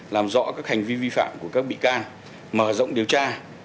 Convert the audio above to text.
làm rõ các hành vi vi phạm của các bị can mở rộng điều tra